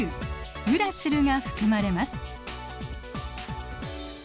ウラシルが含まれます。